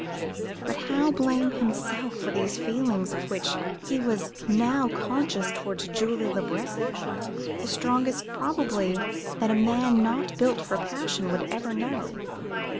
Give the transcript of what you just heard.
But how blame himself for these feelings of which he was now conscious towards Julie Le Breton the strongest, probably, that a man not built for passion would ever know.